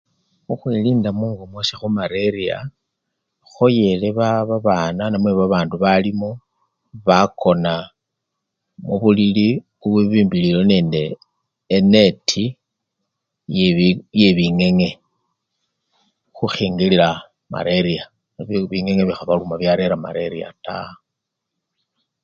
Khukhwilinda mungo mwase lwa! lwamareriya, ekhoyele ba! namwe babanu balimo bakona khubulili bububimbililwe nende eneti iye bik! iye bingenge khukhiongilila maleriya! nebingrngr bikhabaluma byarera mareriya taa.